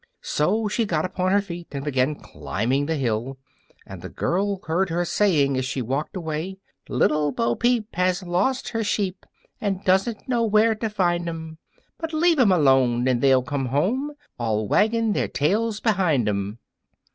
So she got upon her feet and began climbing the hill, and the girl heard her saying, as she walked away, "Little Bo Peep has lost her sheep, And doesn't know where to find 'em. But leave 'em alone, and they'll come home, All wagging their tails behind 'em."